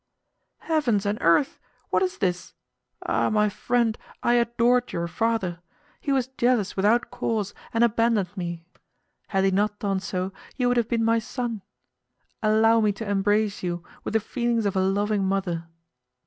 "Heavens and earth! what is this? Ah! my friend, I adored your father! He was jealous without cause, and abandoned me. Had he not done so, you would have been my son! Allow me to embrace you with the feelings of a loving mother."